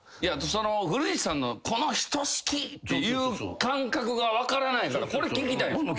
古市さんのこの人好き！っていう感覚が分からないからこれ聞きたい。